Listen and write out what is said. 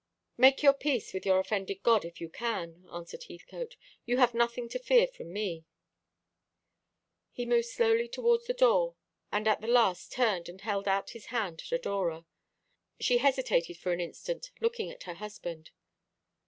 "Make your peace with your offended God, if you can," answered Heathcote. "You have nothing to fear from me." He moved slowly towards the door, and at the last turned and held out his hand to Dora. She hesitated for an instant, looking at her husband.